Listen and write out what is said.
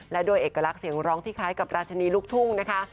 และด้วยเอกลักษณ์เสียงร้องที่คล้ายกับราชนีลูกทุ่งนะคะ